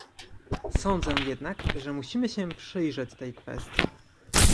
Sądzę jednak, że musimy się przyjrzeć tej kwestii